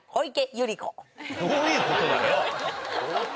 どういうことだよ